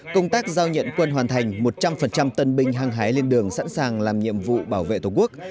công tác giao nhận quân hoàn thành một trăm linh tân binh hăng hái lên đường sẵn sàng làm nhiệm vụ bảo vệ tổ quốc